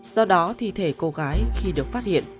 do đó thi thể cô gái khi được phát hiện